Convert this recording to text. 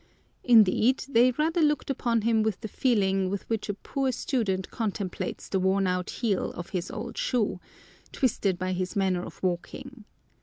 Indeed, they rather looked upon him with the feeling with which a poor student contemplates the worn out heel of his old shoe, twisted by his manner of walking.